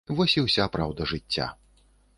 Вось і ўся праўда жыцця.